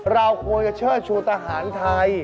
เราควรจะเชิดชูทหารไทย